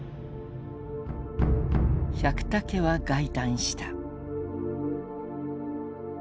百武は慨嘆した。